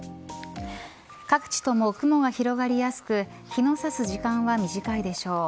各地とも雲が広がりやすく日の差す時間は短いでしょう。